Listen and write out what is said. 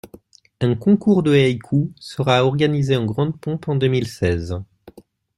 Un concours de haïkus sera organisé en grande pompe en deux mille seize.